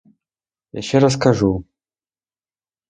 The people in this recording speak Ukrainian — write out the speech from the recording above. Я ще раз кажу.